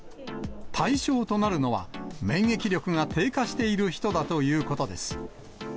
対象となるのは、免疫力が低下している人だということです。